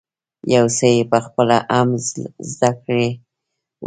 يو څه یې په خپله هم زده کړی وو.